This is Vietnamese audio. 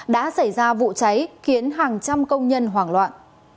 đã xảy ra vụ cháy khiến hàng trăm công nhân hoảng loạn